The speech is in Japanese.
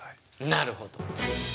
なるほど！